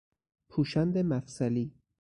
پوشند مفصلی